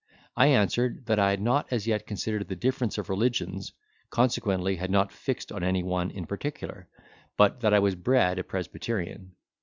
I answered, that I had not as yet considered the difference of religions, consequently had not fixed on any one in particular, but that I was bred a Presbyterian.